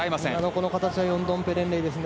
この形はヨンドンペレンレイですね。